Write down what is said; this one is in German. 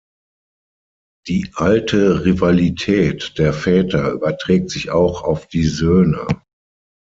Die alte Rivalität der Väter überträgt sich auch auf die Söhne.